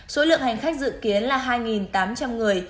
số lượng hành khách dự kiến là hai tám trăm linh người